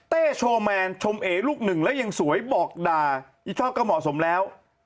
โชว์แมนชมเอลูกหนึ่งแล้วยังสวยบอกด่าอีชอบก็เหมาะสมแล้ว